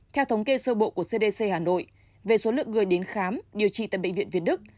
theo thống kê sơ bộ của cdc hà nội về số lượng người đến khám điều trị tại bệnh viện việt đức